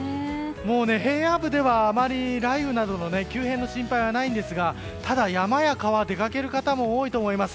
平野部ではあまり雷雨などの急変の心配はないんですがただ、山や川に出かける方多いと思います。